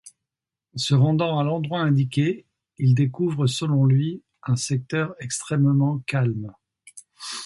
Se rendant à l'endroit indiqué, il découvre selon lui, un secteur extrêmement calme.